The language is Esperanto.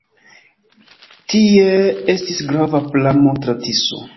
Tie estis grava pramo tra Tiso.